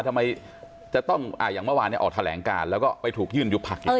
ทำไมจะต้องอย่างเมื่อวานออกแถลงการแล้วก็ไปถูกยื่นยุบพักอยู่แล้ว